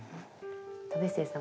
為末さん